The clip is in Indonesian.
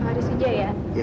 pak aris ujaya